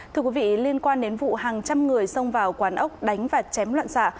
thưa quý vị liên quan đến vụ hàng trăm người xông vào quán ốc đánh và chém loạn xạ